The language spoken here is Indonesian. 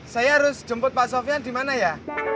saya harus jemput pak sofyan dimana ya